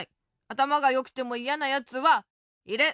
あたまがよくてもいやなやつはいる。